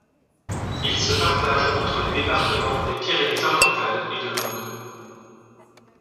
Il se partage entre les départements des Pyrénées-Orientales et de l'Aude.